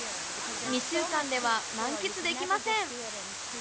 ２週間では満喫できません。